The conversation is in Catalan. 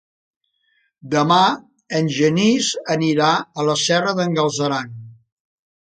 Demà en Genís anirà a la Serra d'en Galceran.